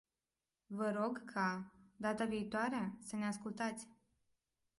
Vă rog ca, data viitoare, să ne ascultați.